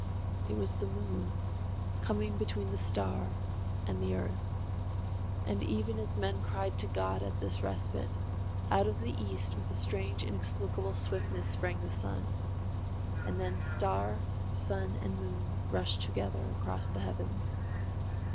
It was the moon, coming between the star and the earth. And even as men cried to God at this respite, out of the East with a strange inexplicable swiftness sprang the sun. And then star, sun and moon rushed together across the heavens.